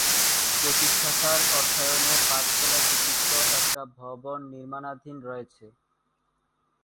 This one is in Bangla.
প্রতিষ্ঠাতার অর্থায়নে পাঁচতলা বিশিষ্ট একটা ভবন নির্মাণাধীন রয়েছে।